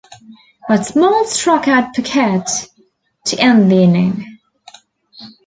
But Smoltz struck out Puckett to end the inning.